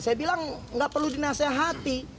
saya bilang nggak perlu dinasehati